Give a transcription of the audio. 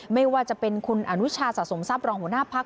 ไม่ว่าจะเป็นคุณอนุชาสะสมทรัพย์รองหัวหน้าพัก